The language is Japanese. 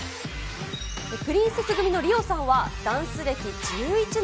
プリンセス組のリオさんはダンス歴１１年。